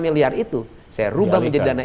miliar itu saya rubah menjadi dana